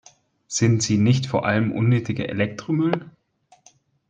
Sind sie nicht vor allem unnötiger Elektromüll?